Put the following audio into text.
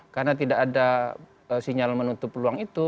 karena tidak ada sinyal menutup peluang itu